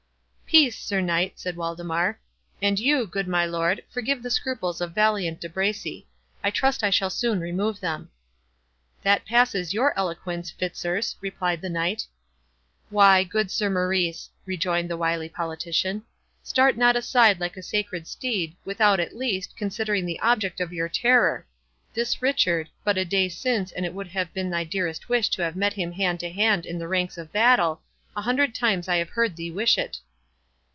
"Peace, Sir Knight!" said Waldemar; "and you, good my lord, forgive the scruples of valiant De Bracy; I trust I shall soon remove them." "That passes your eloquence, Fitzurse," replied the Knight. "Why, good Sir Maurice," rejoined the wily politician, "start not aside like a scared steed, without, at least, considering the object of your terror.—This Richard—but a day since, and it would have been thy dearest wish to have met him hand to hand in the ranks of battle—a hundred times I have heard thee wish it."